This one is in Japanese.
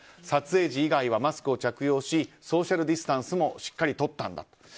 撮影時以外はマスクを着用しソーシャルディスタンスもしっかりとったんだと。